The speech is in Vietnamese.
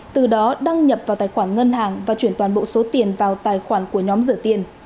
từ đó đăng nhập vào tài khoản ngân hàng và chuyển toàn bộ số tiền vào tài khoản của nhóm rửa tiền